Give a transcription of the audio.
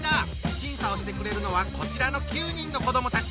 審査をしてくれるのはこちらの９人の子供たち！